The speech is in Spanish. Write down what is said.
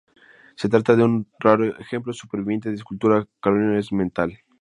Se trata de un raro ejemplo superviviente de escultura carolingia en metal.